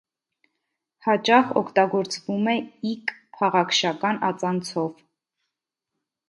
Հաճախ օգտագործվում է «իկ» փաղաքշական ածանցով։